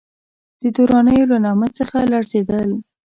د درانیو له نامه څخه لړزېدل.